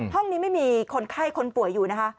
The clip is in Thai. ห้องนี้ไม่มีคนไข้คนป่วยอยู่นะคะ